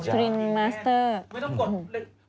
สริงมาสเตอร์